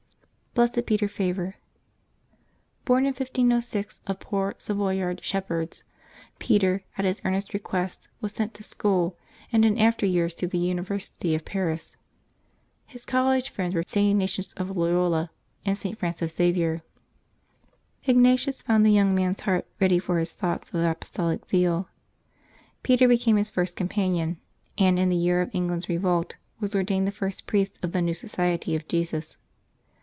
BLESSED PETER FAVRE. ©CRN in 1506 of poor Savoyard shepherds, Peter, at his earnest request, was sent to school, and in after years to the University of Paris. His college friends were St. Ignatius of Loyola and St. Francis Xavier. Ignatius found the young man's heart ready for his thoughts of apostolic zeal; Peter became his first companion, and in the year of England's revolt was ordained the first priest of the new Society of Jesus.